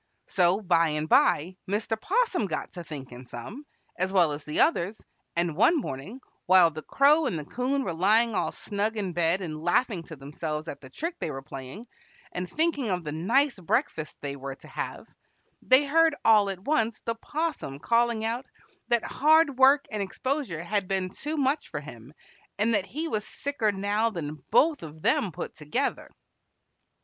So by and by Mr. 'Possum got to thinking some, as well as the others, and one morning, while the Crow and the 'Coon were lying all snug in bed and laughing to themselves at the trick they were playing, and thinking of the nice breakfast they were to have, they heard all at once the 'Possum calling out that hard work and exposure had been too much for him, and that he was sicker now than both of them put together.